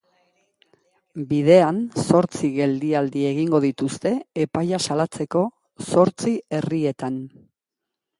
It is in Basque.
Bidean zortzi geldialdi egingo dituzte epaia salatzeko zortzi herrietan.